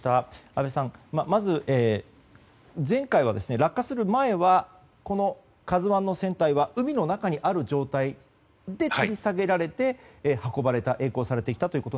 安倍さん、前回は落下する前は「ＫＡＺＵ１」の船体は海の中にある状態でつり下げられて運ばれて曳航されました。